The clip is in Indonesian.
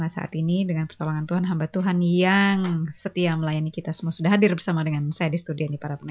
saudara semua itu telah pasti